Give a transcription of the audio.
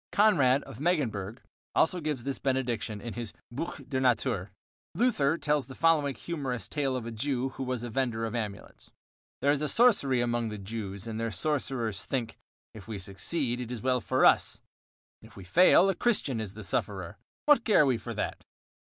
Konrad of Megenburg also gives this benediction in his "Buch der Natur." Luther tells the following humorous tale of a Jew who was a vender of amulets: There is sorcery among the Jews and their sorcerers think: "If we succeed, it is well for us; if we fail, a Christian is the sufferer; what care we for that?"